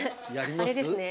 あれですね。